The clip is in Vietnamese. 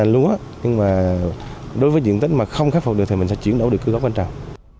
nhưng mà đối với diện tích mà không khắc phục được thì mình sẽ chuyển đổi được cơ cấu quan trọng